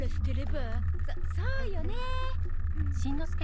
そそうよね。